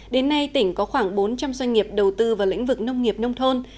đến nay tỉnh có khoảng bốn trăm linh doanh nghiệp đầu tư vào lĩnh vực nông nghiệp nông thôn